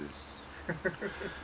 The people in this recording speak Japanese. ハハハハッ。